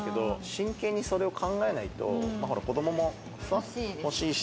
真剣にそれを考えないとほら子供もさ欲しいし。